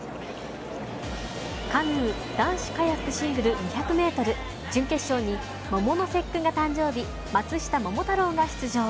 カヌー男子カヤックシングル２００ｍ準決勝に、桃の節句が誕生日松下桃太郎が出場。